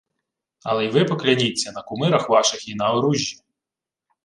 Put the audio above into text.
— Але й ви покляніться на кумирах ваших і на оружжі.